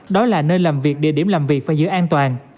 đó là nơi làm việc địa điểm làm việc phải giữ an toàn